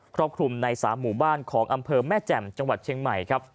รอบคลุมใน๓หมู่บ้านของอำเภอแม่แจ่มจังหวัดเชียงใหม่ครับ